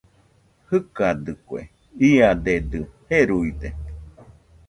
Jɨkadɨkue, iadedɨ jeruide